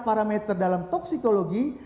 parameter dalam toksikologi